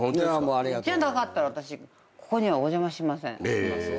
じゃなかったら私ここにはお邪魔しません。